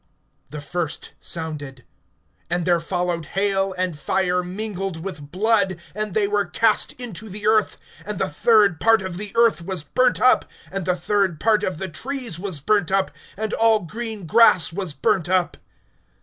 (7)The first sounded; and there followed hail and fire mingled with blood, and they were cast into the earth, and the third part of the earth was burnt up, and the third part of the trees was burnt up, and all green grass was burnt up.